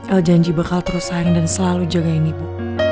el janji bakal terus sayang dan selalu jagain ibu